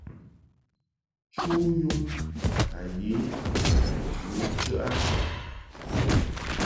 Chu yum a ka ye ntɨ u chəʼ a.